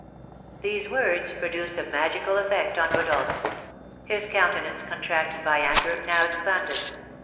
_" These words produced a magical effect on Rodolph. His countenance, contracted by anger, now expanded.